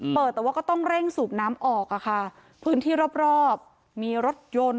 เปิดแต่ว่าก็ต้องเร่งสูบน้ำออกอ่ะค่ะพื้นที่รอบรอบมีรถยนต์